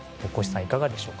いかがでしょうか。